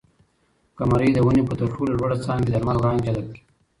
قمرۍ د ونې په تر ټولو لوړه څانګه کې د لمر وړانګې جذب کړې.